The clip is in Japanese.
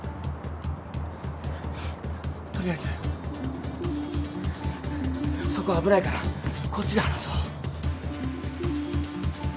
取りあえずそこ危ないからこっちで話そう。